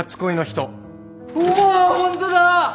うわホントだ！